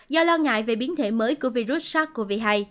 do lo ngại về biến thể mới của virus sars cov hai